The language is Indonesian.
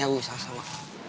gak usah sama sama